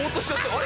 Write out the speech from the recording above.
あれ？